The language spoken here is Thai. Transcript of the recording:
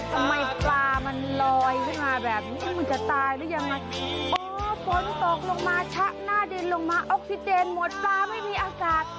ทำไมปลามันลอยขึ้นมาแบบนี้มึงจะตายหรือยังไงโอ้ฝนตกลงมาชะหน้าดินลงมาออกซิเจนหมดปลาไม่มีอากาศ